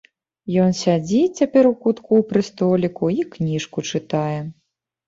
Ён сядзіць цяпер у кутку пры століку і кніжку чытае.